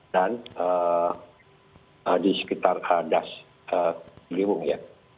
dan di sekitar das liwung ya